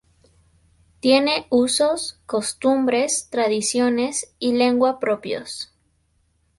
Tienen usos, costumbres, tradiciones y lengua propios.